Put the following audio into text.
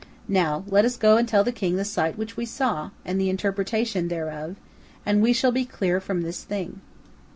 Now, let us go and tell the king the sight which we saw, and the interpretation thereof, and we shall be clear from this thing."